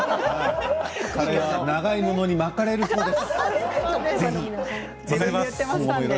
彼は長いものに巻かれるそうです。